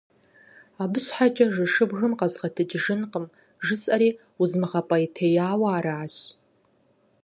Абы щхьэкӀэ жэщыбгым къэзгъэтэджыжынкъым, жысӀэри узмыгъэпӀейтеяуэ аращ.